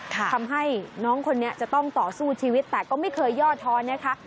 ทำให้น้องคนนี้จะต้องต่อสู้ชีวิตแต่ก็ไม่เคยย่อท้อนนะคะ